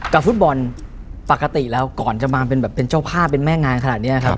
กับฟุตบอลปกติแล้วก่อนจะมาเป็นเจ้าผ้าเป็นแม่งานขนาดนี้